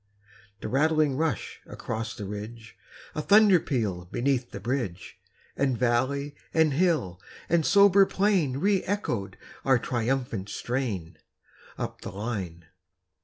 A rattling rush across the ridge, A thunder peal beneath the bridge; And valley and hill and sober plain Re echoed our triumphant strain, Up the line.